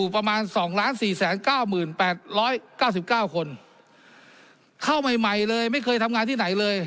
ประมาณ๒๔๙๘๙๙คนเข้าใหม่ใหม่เลยไม่เคยทำงานที่ไหนเลย